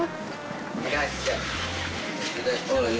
いらっしゃい。